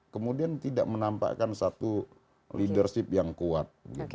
kemudian tidak menampakkan satu leadership yang kuat